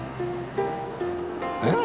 えっ！